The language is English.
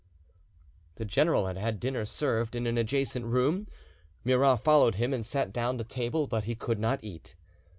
The general had had dinner served in an adjacent room. Murat followed him and sat down to table, but he could not eat.